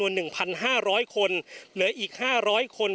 พร้อมด้วยผลตำรวจเอกนรัฐสวิตนันอธิบดีกรมราชทัน